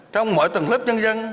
trong mọi tầng lớp nhân dân